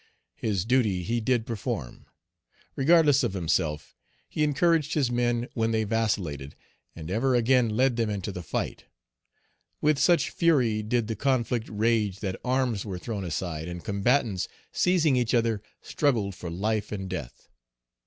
His duty he did perform. Regardless of himself, he encouraged his men when they vacillated, and ever again led them into the fight. With such fury did the conflict rage that arms were thrown aside, and combatants, seizing each other, struggled for ilfe and death.